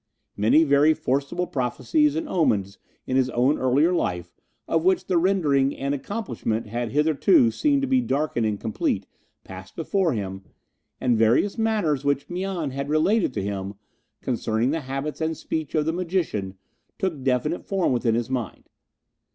Many very forcible prophecies and omens in his own earlier life, of which the rendering and accomplishment had hitherto seemed to be dark and incomplete, passed before him, and various matters which Mian had related to him concerning the habits and speech of the magician took definite form within his mind.